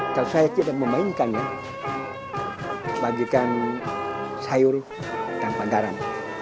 kalau saya tidak memainkannya bagikan sayur tanpa garam